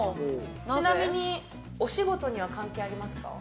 ちなみに、お仕事には関係ありますか？